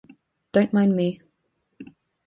Don't mind me.